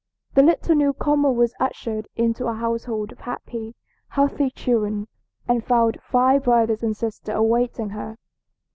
The little new comer was ushered into a household of happy, healthy children, and found five brothers and sisters awaiting her.